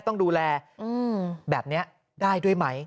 กรุงเทพฯมหานครทำไปแล้วนะครับ